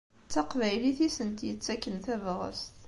D taqbaylit i sent-yettaken tabɣest.